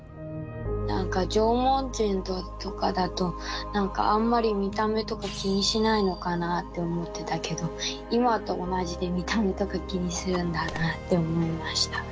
なんか縄文人とかだとなんかあんまり見た目とか気にしないのかなあって思ってたけど今と同じで見た目とか気にするんだなあって思いました。